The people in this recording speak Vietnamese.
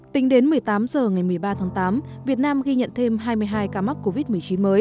tính đến một mươi tám h ngày một mươi ba tháng tám việt nam ghi nhận thêm hai mươi hai ca mắc covid một mươi chín mới